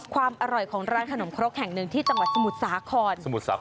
ความอร่อยของร้านขนมครกแห่งหนึ่งที่จังหวัดสมุทรสาคร